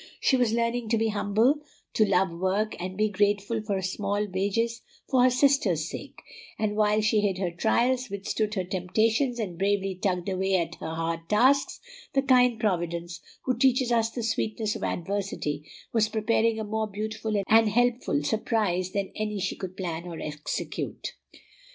She was learning to be humble, to love work, and be grateful for her small wages for her sister's sake; and while she hid her trials, withstood her temptations, and bravely tugged away at her hard tasks, the kind Providence, who teaches us the sweetness of adversity, was preparing a more beautiful and helpful surprise than any she could plan or execute.